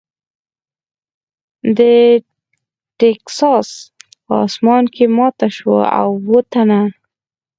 د ټیکساس په اسمان کې ماته شوه او اووه تنه .